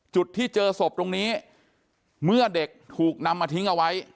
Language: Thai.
จุดที่เจอศพตรงนี้เมื่อเด็กถูกนำมาทิ้งเอาไว้